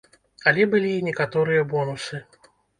Але былі і некаторыя бонусы.